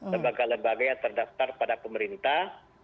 lembaga lembaga yang terdaftar pada pemerintah